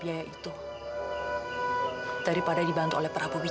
kalau tempat ini adalah tempat